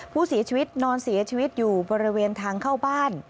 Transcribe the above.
ผู้เสียชีวิตนอนเสียชีวิตอยู่บริเวณทางเข้าบ้าน